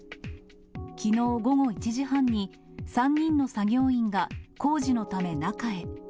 きのう午後１時半に、３人の作業員が工事のため中へ。